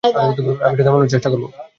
আমি এটা থামানোর চেষ্টা করব।